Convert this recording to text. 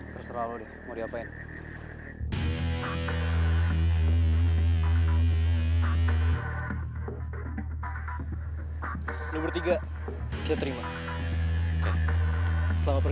terserah lo deh mau diapain